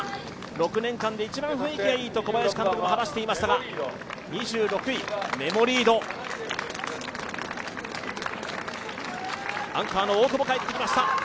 ６年間で一番雰囲気がいいと小林監督も話していましたが２６位メモリード、アンカーの大久保帰って来ました。